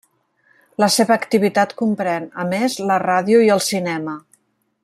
La seva activitat comprèn, a més, la ràdio i el cinema.